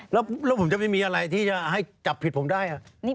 แล้วผมจะไม่มีอะไรที่จะให้จับผิดผมได้